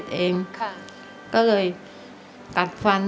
ทั้งในเรื่องของการทำงานเคยทำนานแล้วเกิดปัญหาน้อย